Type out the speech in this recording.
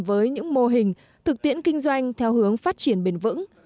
với những mô hình thực tiễn kinh doanh theo hướng phát triển bền vững